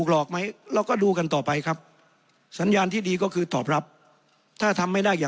แล้วก็รับปากทุกธนาโยบาย